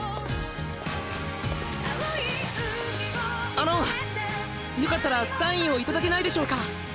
あのよかったらサインを頂けないでしょうか！